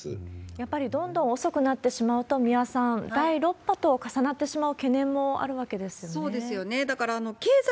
やっぱりどんどん遅くなってしまうと、三輪さん、第６波と重なってしまう懸念もあるわけですよね。